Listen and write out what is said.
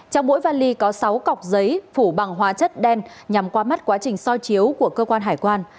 trong mỗi vali có sáu cọc giấy phủ bằng hóa chất đen nhằm qua mắt quá trình soi chiếu của cơ quan hải quan